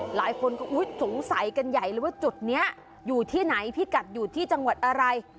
หลายคนก็อุ๊ยสงสัยกันใหญ่เลยว่าจุดนี้อยู่ที่ไหนพี่กัดอยู่ที่จังหวัดอะไร